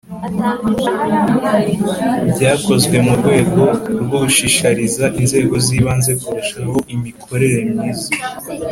Byakozwe mu rwego rwo gushishikariza Inzego z’Ibanze kurushaho imikorere myiza